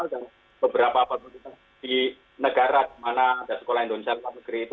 dan beberapa penduduk di negara di mana ada sekolah indonesia di luar negeri itu